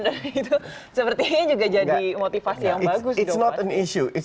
dan itu sepertinya juga jadi motivasi yang bagus